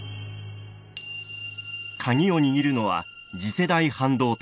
鍵を握るのは次世代半導体。